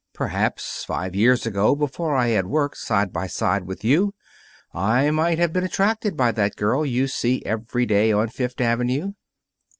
Perhaps, five years ago, before I had worked side by side with you, I might have been attracted by that girl you see every day on Fifth Avenue.